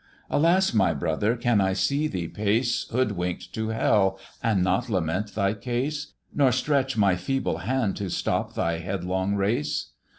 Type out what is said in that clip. "Alas! my brother! can I see thee pace Hoodwink'd to hell, and not lament thy case, Nor stretch my feeble hand to stop thy headlong race?